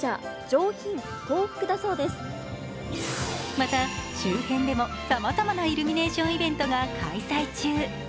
また、周辺でもさまざまなイルミネーションイベントが開催中。